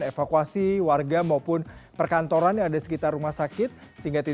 jadi kita harus mencari tempat yang lebih tepat untuk mencari tempat yang lebih tepat untuk mencari tempat yang lebih tepat